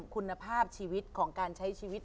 คุณภาพชีวิตของการใช้ชีวิต